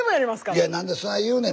いや何でそない言うねん。